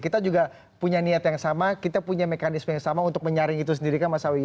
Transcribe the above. kita juga punya niat yang sama kita punya mekanisme yang sama untuk menyaring itu sendiri kan mas awi